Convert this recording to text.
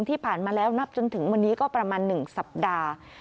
ที่ผ่านมาแล้วนับจนถึงวันนี้ก็ประมาณ๑สัปดาห์